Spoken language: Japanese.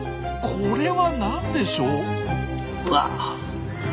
これは何でしょう？